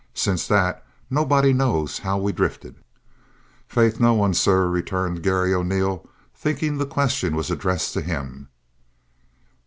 "Since that, nobody knows how we've drifted!" "Faith, no one, sor," returned Garry O'Neil, thinking the question was addressed to him.